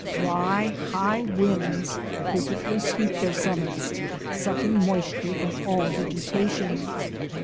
Dry, high winds frequently sweep their summits, suck ing moisture from all vegetation.